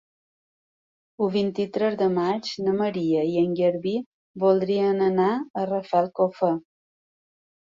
El vint-i-tres de maig na Maria i en Garbí voldrien anar a Rafelcofer.